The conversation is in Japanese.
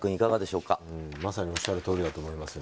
まさにおっしゃるとおりだと思います。